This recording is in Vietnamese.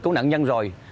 của nạn nhân rồi